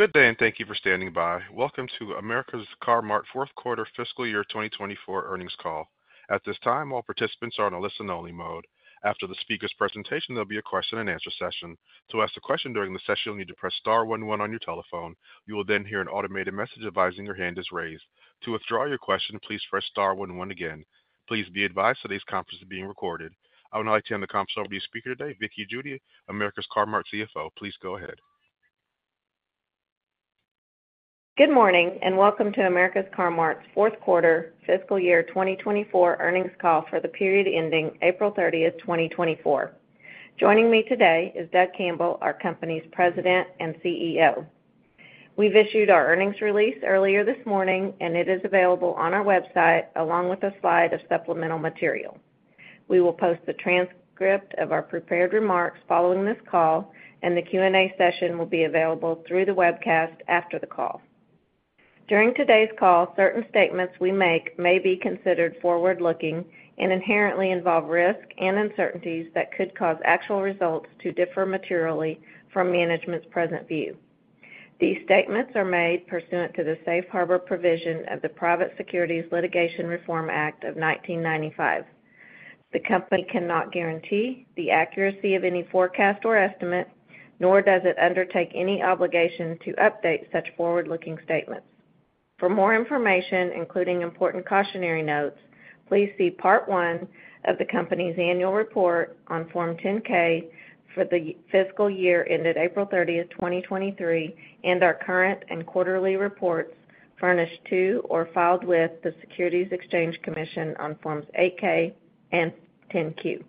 Good day, and thank you for standing by. Welcome to America's Car-Mart fourth quarter fiscal year 2024 earnings call. At this time, all participants are on a listen-only mode. After the speaker's presentation, there'll be a question-and-answer session. To ask a question during the session, you'll need to press star one one on your telephone. You will then hear an automated message advising your hand is raised. To withdraw your question, please press star one one again. Please be advised today's conference is being recorded. I would now like to hand the conference over to your speaker today, Vickie Judy, America's Car-Mart CFO. Please go ahead. Good morning, and welcome to America's Car-Mart's fourth quarter fiscal year 2024 earnings call for the period ending April 30, 2024. Joining me today is Doug Campbell, our company's President and CEO. We've issued our earnings release earlier this morning, and it is available on our website, along with a slide of supplemental material. We will post the transcript of our prepared remarks following this call, and the Q&A session will be available through the webcast after the call. During today's call, certain statements we make may be considered forward-looking and inherently involve risk and uncertainties that could cause actual results to differ materially from management's present view. These statements are made pursuant to the Safe Harbor Provision of the Private Securities Litigation Reform Act of 1995. The company cannot guarantee the accuracy of any forecast or estimate, nor does it undertake any obligation to update such forward-looking statements. For more information, including important cautionary notes, please see Part One of the company's Annual Report on Form 10-K for the fiscal year ended April 30, 2023, and our current and quarterly reports furnished to or filed with the Securities and Exchange Commission on Forms 8-K and 10-Q.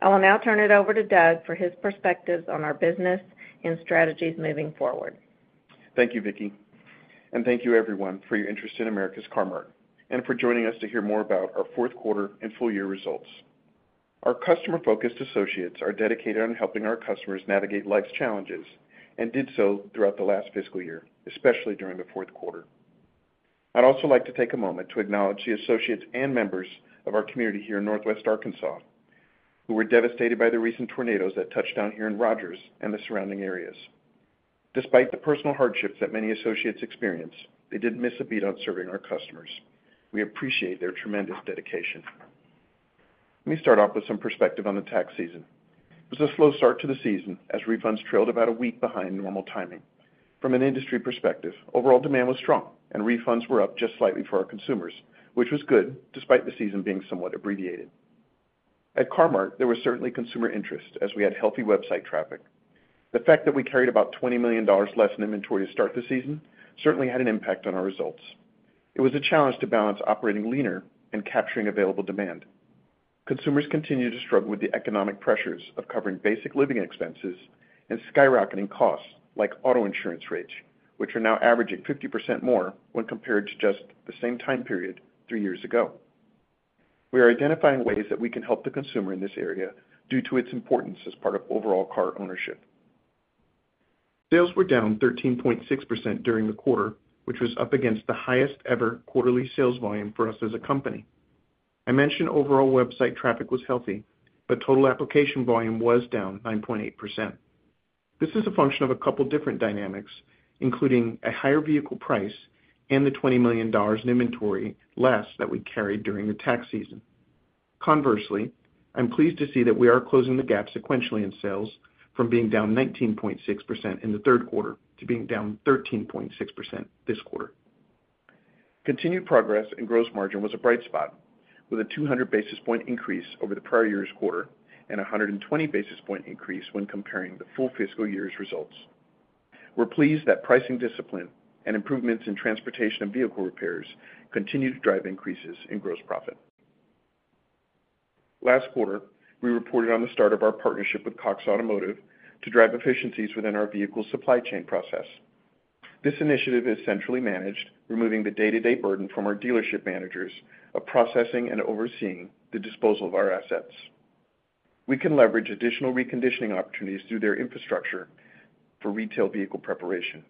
I will now turn it over to Doug for his perspectives on our business and strategies moving forward. Thank you, Vickie, and thank you everyone for your interest in America's Car-Mart and for joining us to hear more about our fourth quarter and full year results. Our customer-focused associates are dedicated on helping our customers navigate life's challenges and did so throughout the last fiscal year, especially during the fourth quarter. I'd also like to take a moment to acknowledge the associates and members of our community here in Northwest Arkansas, who were devastated by the recent tornadoes that touched down here in Rogers and the surrounding areas. Despite the personal hardships that many associates experienced, they didn't miss a beat on serving our customers. We appreciate their tremendous dedication. Let me start off with some perspective on the tax season. It was a slow start to the season, as refunds trailed about a week behind normal timing. From an industry perspective, overall demand was strong and refunds were up just slightly for our consumers, which was good, despite the season being somewhat abbreviated. At Car-Mart, there was certainly consumer interest as we had healthy website traffic. The fact that we carried about $20 million less in inventory to start the season certainly had an impact on our results. It was a challenge to balance operating leaner and capturing available demand. Consumers continue to struggle with the economic pressures of covering basic living expenses and skyrocketing costs, like auto insurance rates, which are now averaging 50% more when compared to just the same time period three years ago. We are identifying ways that we can help the consumer in this area due to its importance as part of overall car ownership. Sales were down 13.6% during the quarter, which was up against the highest-ever quarterly sales volume for us as a company. I mentioned overall website traffic was healthy, but total application volume was down 9.8%. This is a function of a couple different dynamics, including a higher vehicle price and the $20 million in inventory less that we carried during the tax season. Conversely, I'm pleased to see that we are closing the gap sequentially in sales from being down 19.6% in the third quarter to being down 13.6% this quarter. Continued progress in gross margin was a bright spot, with a 200 basis points increase over the prior year's quarter and a 120 basis points increase when comparing the full fiscal year's results. We're pleased that pricing discipline and improvements in transportation and vehicle repairs continue to drive increases in gross profit. Last quarter, we reported on the start of our partnership with Cox Automotive to drive efficiencies within our vehicle supply chain process. This initiative is centrally managed, removing the day-to-day burden from our dealership managers of processing and overseeing the disposal of our assets. We can leverage additional reconditioning opportunities through their infrastructure for retail vehicle preparation.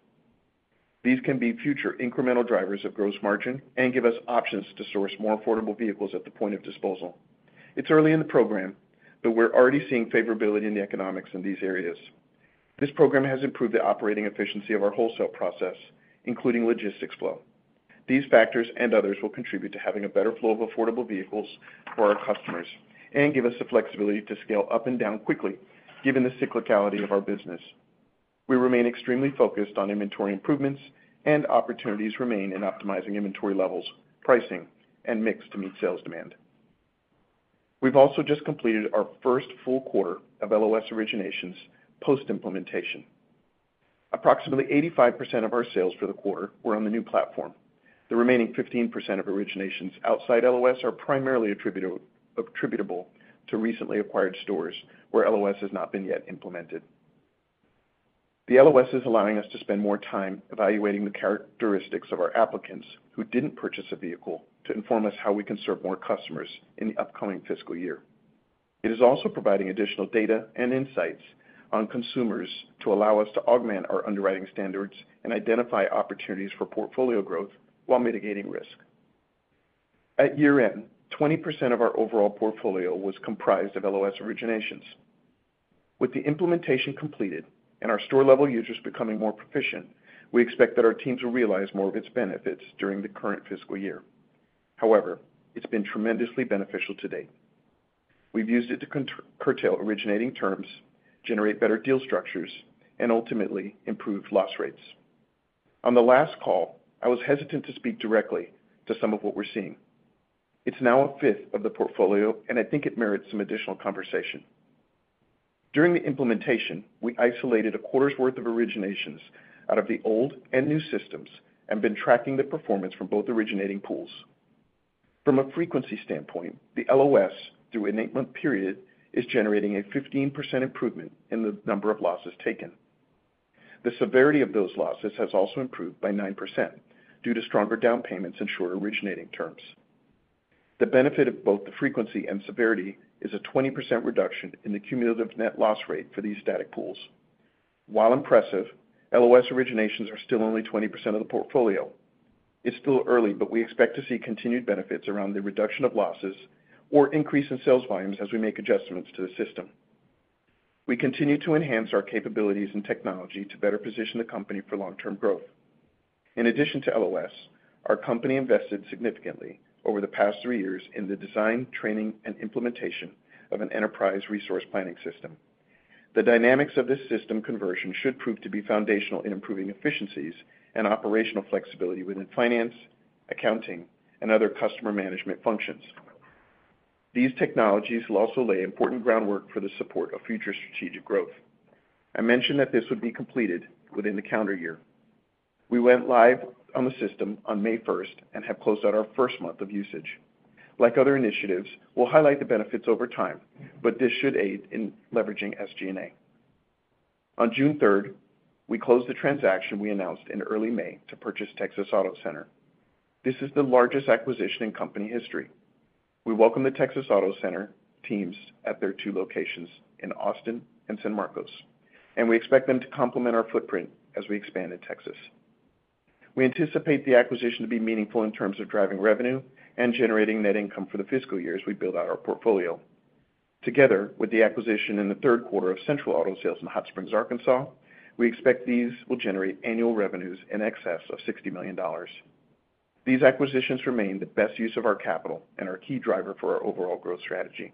These can be future incremental drivers of gross margin and give us options to source more affordable vehicles at the point of disposal. It's early in the program, but we're already seeing favorability in the economics in these areas. This program has improved the operating efficiency of our wholesale process, including logistics flow. These factors and others will contribute to having a better flow of affordable vehicles for our customers and give us the flexibility to scale up and down quickly, given the cyclicality of our business. We remain extremely focused on inventory improvements, and opportunities remain in optimizing inventory levels, pricing, and mix to meet sales demand. We've also just completed our first full quarter of LOS originations post-implementation. Approximately 85% of our sales for the quarter were on the new platform. The remaining 15% of originations outside LOS are primarily attributable to recently acquired stores where LOS has not been yet implemented. The LOS is allowing us to spend more time evaluating the characteristics of our applicants who didn't purchase a vehicle to inform us how we can serve more customers in the upcoming fiscal year. It is also providing additional data and insights on consumers to allow us to augment our underwriting standards and identify opportunities for portfolio growth while mitigating risk. At year-end, 20% of our overall portfolio was comprised of LOS originations. With the implementation completed and our store-level users becoming more proficient, we expect that our teams will realize more of its benefits during the current fiscal year. However, it's been tremendously beneficial to date. We've used it to curtail originating terms, generate better deal structures, and ultimately, improve loss rates. On the last call, I was hesitant to speak directly to some of what we're seeing. It's now a fifth of the portfolio, and I think it merits some additional conversation. During the implementation, we isolated a quarter's worth of originations out of the old and new systems and been tracking the performance from both originating pools. From a frequency standpoint, the LOS, through an 8-month period, is generating a 15% improvement in the number of losses taken. The severity of those losses has also improved by 9% due to stronger down payments and shorter originating terms. The benefit of both the frequency and severity is a 20% reduction in the cumulative net loss rate for these static pools. While impressive, LOS originations are still only 20% of the portfolio. It's still early, but we expect to see continued benefits around the reduction of losses or increase in sales volumes as we make adjustments to the system. We continue to enhance our capabilities and technology to better position the company for long-term growth. In addition to LOS, our company invested significantly over the past 3 years in the design, training, and implementation of an enterprise resource planning system. The dynamics of this system conversion should prove to be foundational in improving efficiencies and operational flexibility within finance, accounting, and other customer management functions. These technologies will also lay important groundwork for the support of future strategic growth. I mentioned that this would be completed within the calendar year. We went live on the system on May 1 and have closed out our first month of usage. Like other initiatives, we'll highlight the benefits over time, but this should aid in leveraging SG&A. On June 3, we closed the transaction we announced in early May to purchase Texas Auto Center. This is the largest acquisition in company history. We welcome the Texas Auto Center teams at their 2 locations in Austin and San Marcos, and we expect them to complement our footprint as we expand in Texas. We anticipate the acquisition to be meaningful in terms of driving revenue and generating net income for the fiscal year as we build out our portfolio. Together, with the acquisition in the third quarter of Central Auto Sales in Hot Springs, Arkansas, we expect these will generate annual revenues in excess of $60 million. These acquisitions remain the best use of our capital and are a key driver for our overall growth strategy.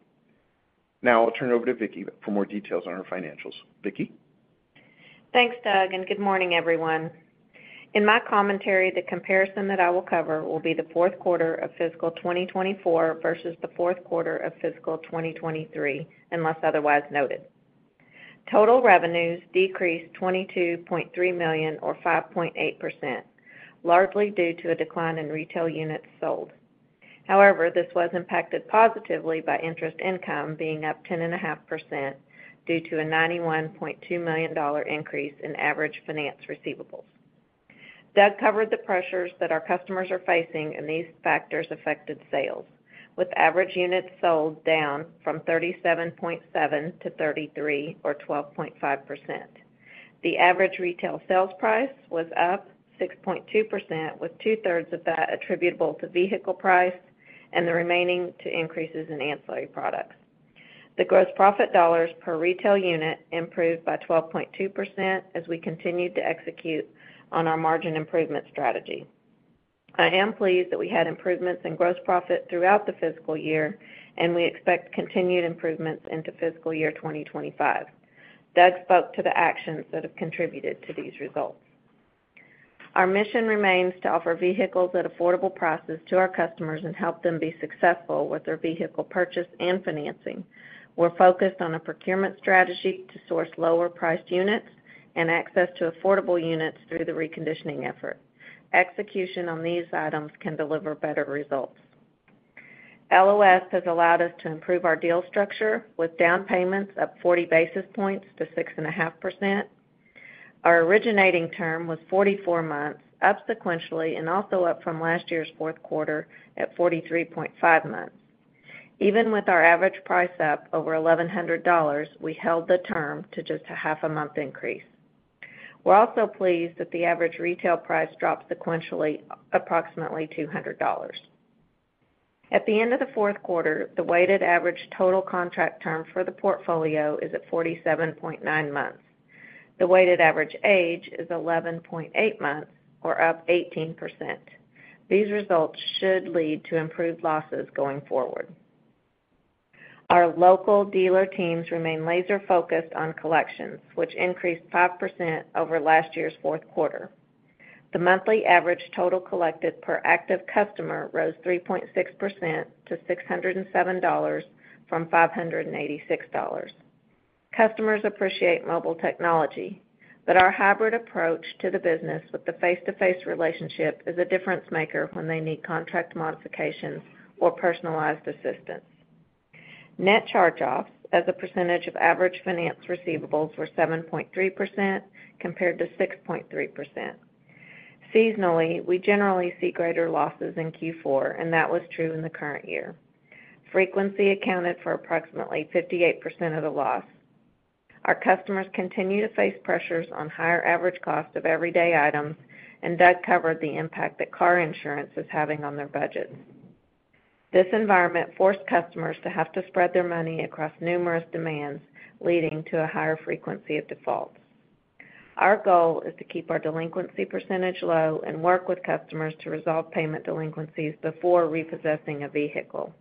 Now I'll turn it over to Vicki for more details on our financials. Vicki? Thanks, Doug, and good morning, everyone. In my commentary, the comparison that I will cover will be the fourth quarter of fiscal 2024 versus the fourth quarter of fiscal 2023, unless otherwise noted. Total revenues decreased $22.3 million or 5.8%, largely due to a decline in retail units sold. However, this was impacted positively by interest income being up 10.5% due to a $91.2 million increase in average finance receivables. Doug covered the pressures that our customers are facing, and these factors affected sales, with average units sold down from 37.7 to 33 or 12.5%. The average retail sales price was up 6.2%, with two-thirds of that attributable to vehicle price and the remaining to increases in ancillary products. The gross profit dollars per retail unit improved by 12.2% as we continued to execute on our margin improvement strategy. I am pleased that we had improvements in gross profit throughout the fiscal year, and we expect continued improvements into fiscal year 2025. Doug spoke to the actions that have contributed to these results. Our mission remains to offer vehicles at affordable prices to our customers and help them be successful with their vehicle purchase and financing. We're focused on a procurement strategy to source lower-priced units and access to affordable units through the reconditioning effort. Execution on these items can deliver better results. LOS has allowed us to improve our deal structure, with down payments up 40 basis points to 6.5%. Our originating term was 44 months, up sequentially and also up from last year's fourth quarter at 43.5 months. Even with our average price up over $1,100, we held the term to just a half a month increase. We're also pleased that the average retail price dropped sequentially, approximately $200. At the end of the fourth quarter, the weighted average total contract term for the portfolio is at 47.9 months. The weighted average age is 11.8 months, or up 18%. These results should lead to improved losses going forward. Our local dealer teams remain laser-focused on collections, which increased 5% over last year's fourth quarter. The monthly average total collected per active customer rose 3.6% to $607 from $586. Customers appreciate mobile technology, but our hybrid approach to the business with the face-to-face relationship is a difference-maker when they need contract modifications or personalized assistance. Net charge-offs as a percentage of average finance receivables were 7.3% compared to 6.3%. Seasonally, we generally see greater losses in Q4, and that was true in the current year. Frequency accounted for approximately 58% of the loss. Our customers continue to face pressures on higher average cost of everyday items, and Doug covered the impact that car insurance is having on their budget. This environment forced customers to have to spread their money across numerous demands, leading to a higher frequency of defaults. Our goal is to keep our delinquency percentage low and work with customers to resolve payment delinquencies before repossessing a vehicle.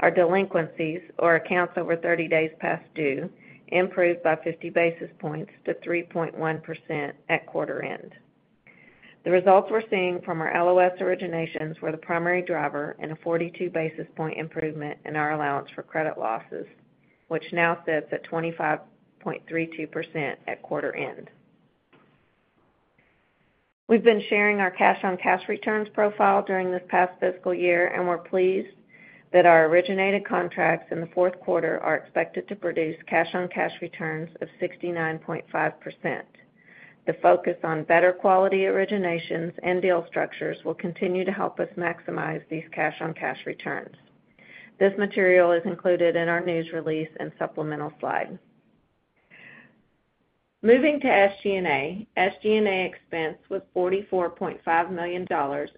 Our delinquencies or accounts over 30 days past due improved by 50 basis points to 3.1% at quarter end. The results we're seeing from our LOS originations were the primary driver in a 42 basis point improvement in our allowance for credit losses, which now sits at 25.32% at quarter end. We've been sharing our cash-on-cash returns profile during this past fiscal year, and we're pleased that our originated contracts in the fourth quarter are expected to produce cash-on-cash returns of 69.5%. The focus on better quality originations and deal structures will continue to help us maximize these cash-on-cash returns. This material is included in our news release and supplemental slide. Moving to SG&A. SG&A expense was $44.5 million,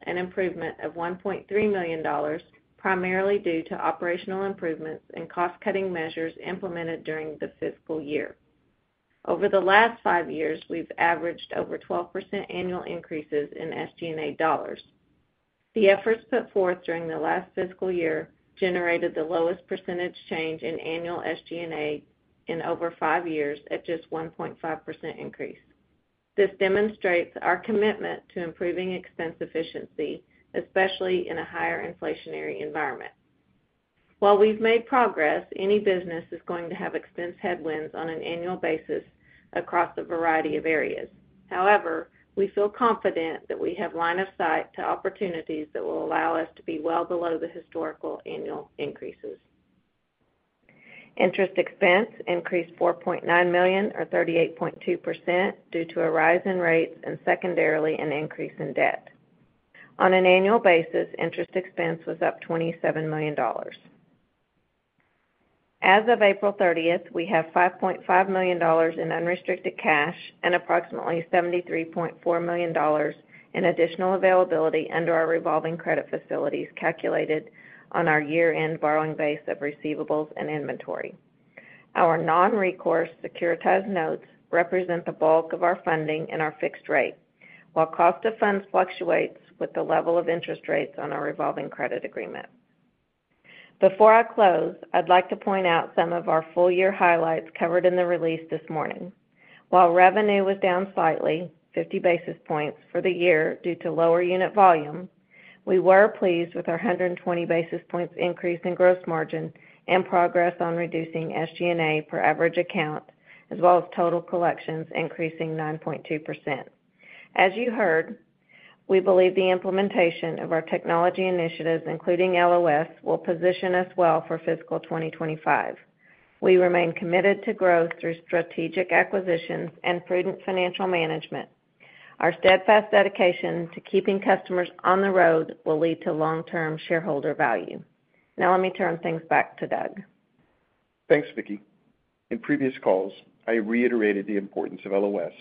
an improvement of $1.3 million, primarily due to operational improvements and cost-cutting measures implemented during the fiscal year. Over the last 5 years, we've averaged over 12% annual increases in SG&A dollars. The efforts put forth during the last fiscal year generated the lowest percentage change in annual SG&A in over 5 years, at just 1.5% increase. This demonstrates our commitment to improving expense efficiency, especially in a higher inflationary environment. While we've made progress, any business is going to have expense headwinds on an annual basis across a variety of areas. However, we feel confident that we have line of sight to opportunities that will allow us to be well below the historical annual increases. Interest expense increased $4.9 million or 38.2% due to a rise in rates and secondarily, an increase in debt. On an annual basis, interest expense was up $27 million. As of April 30th, we have $5.5 million in unrestricted cash and approximately $73.4 million in additional availability under our revolving credit facilities, calculated on our year-end borrowing base of receivables and inventory. Our non-recourse securitized notes represent the bulk of our funding and our fixed rate, while cost of funds fluctuates with the level of interest rates on our revolving credit agreement. Before I close, I'd like to point out some of our full year highlights covered in the release this morning. While revenue was down slightly, 50 basis points for the year due to lower unit volume, we were pleased with our 120 basis points increase in gross margin and progress on reducing SG&A per average account, as well as total collections increasing 9.2%. As you heard, we believe the implementation of our technology initiatives, including LOS, will position us well for fiscal 2025. We remain committed to growth through strategic acquisitions and prudent financial management. Our steadfast dedication to keeping customers on the road will lead to long-term shareholder value. Now, let me turn things back to Doug. Thanks, Vicki. In previous calls, I reiterated the importance of LOS,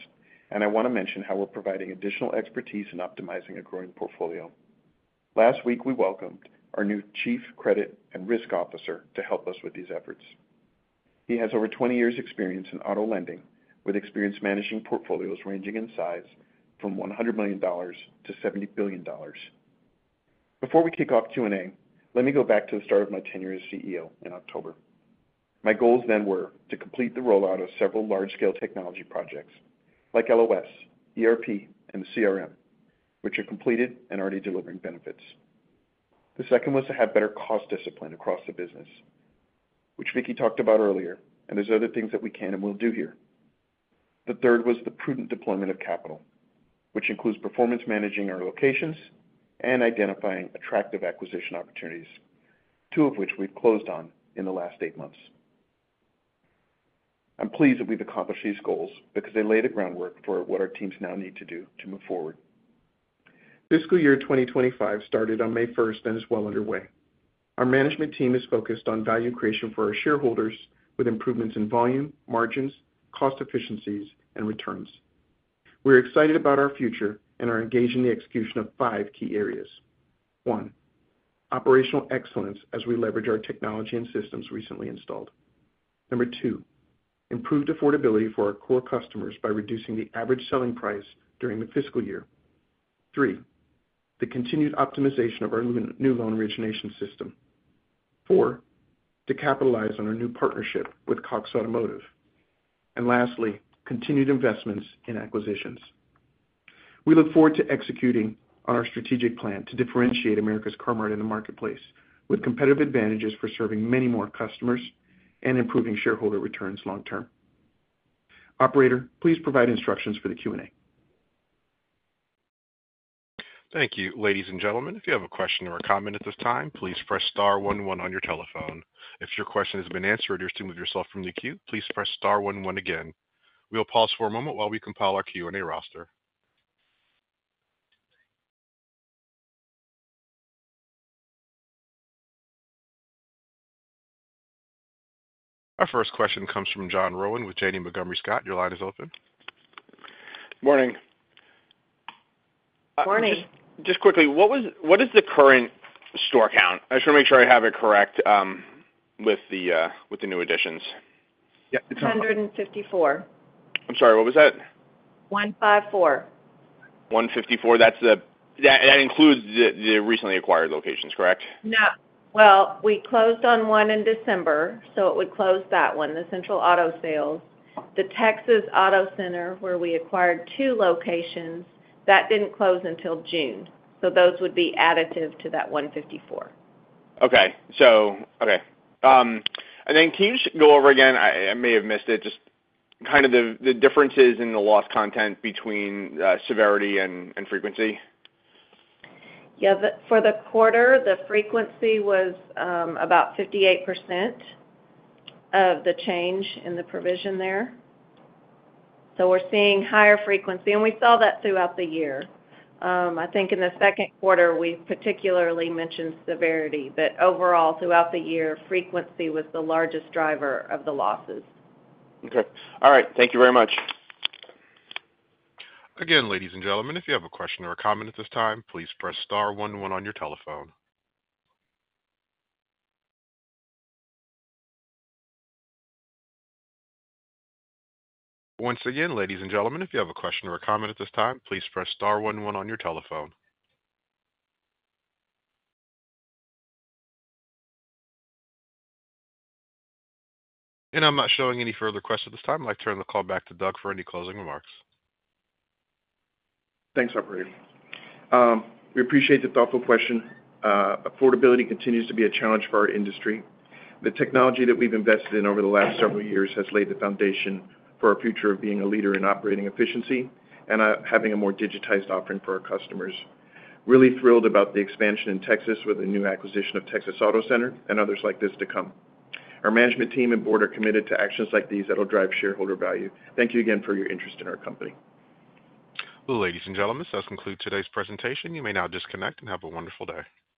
and I want to mention how we're providing additional expertise in optimizing a growing portfolio. Last week, we welcomed our new chief credit and risk officer to help us with these efforts. He has over 20 years experience in auto lending, with experience managing portfolios ranging in size from $100 million to $70 billion. Before we kick off Q&A, let me go back to the start of my tenure as CEO in October. My goals then were to complete the rollout of several large-scale technology projects like LOS, ERP, and CRM, which are completed and already delivering benefits. The second was to have better cost discipline across the business, which Vicki talked about earlier, and there's other things that we can and will do here. The third was the prudent deployment of capital, which includes performance managing our locations and identifying attractive acquisition opportunities, 2 of which we've closed on in the last 8 months. I'm pleased that we've accomplished these goals because they lay the groundwork for what our teams now need to do to move forward. Fiscal year 2025 started on May 1 and is well underway. Our management team is focused on value creation for our shareholders, with improvements in volume, margins, cost efficiencies, and returns. We're excited about our future and are engaged in the execution of 5 key areas. One, operational excellence as we leverage our technology and systems recently installed. Number two, improved affordability for our core customers by reducing the average selling price during the fiscal year. Three, the continued optimization of our new loan origination system. Four, to capitalize on our new partnership with Cox Automotive. Lastly, continued investments in acquisitions. We look forward to executing on our strategic plan to differentiate America's Car-Mart in the marketplace, with competitive advantages for serving many more customers and improving shareholder returns long-term. Operator, please provide instructions for the Q&A. Thank you. Ladies and gentlemen, if you have a question or a comment at this time, please press star one one on your telephone. If your question has been answered and you wish to remove yourself from the queue, please press star one one again. We'll pause for a moment while we compile our Q&A roster. Our first question comes from John Rowan with Janney Montgomery Scott. Your line is open. Morning. Morning. Just quickly, what is the current store count? I just want to make sure I have it correct, with the new additions. 154. I'm sorry, what was that? 154. 154. That's the—that includes the recently acquired locations, correct? No. Well, we closed on one in December, so it would close that one, the Central Auto Sales. The Texas Auto Center, where we acquired two locations, that didn't close until June, so those would be additive to that 154. Okay. So, okay, and then can you just go over again? I may have missed it, just kind of the differences in the loss content between severity and frequency? Yeah, for the quarter, the frequency was about 58% of the change in the provision there. So we're seeing higher frequency, and we saw that throughout the year. I think in the second quarter, we particularly mentioned severity, but overall, throughout the year, frequency was the largest driver of the losses. Okay. All right. Thank you very much. Again, ladies and gentlemen, if you have a question or a comment at this time, please press star one one on your telephone. Once again, ladies and gentlemen, if you have a question or a comment at this time, please press star one one on your telephone. I'm not showing any further questions at this time. I'd like to turn the call back to Doug for any closing remarks. Thanks, operator. We appreciate the thoughtful question. Affordability continues to be a challenge for our industry. The technology that we've invested in over the last several years has laid the foundation for our future of being a leader in operating efficiency and having a more digitized offering for our customers. Really thrilled about the expansion in Texas with the new acquisition of Texas Auto Center and others like this to come. Our management team and board are committed to actions like these that will drive shareholder value. Thank you again for your interest in our company. Ladies and gentlemen, this does conclude today's presentation. You may now disconnect and have a wonderful day.